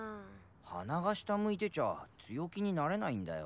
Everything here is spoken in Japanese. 鼻が下向いてちゃ強気になれないんだよ。